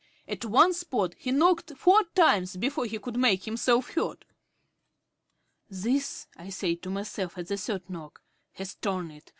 At one spot he knocked four times before he could make himself heard. "This," I said to myself at the third knock, "has torn it.